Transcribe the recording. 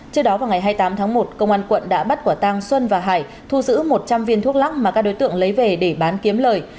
trước đó vào ngày hai mươi tám tháng một công an quận đã bắt quả tăng xuân và hải thu giữ một trăm linh viên thuốc lắc mà các đối tượng lấy về để bán kiếm lời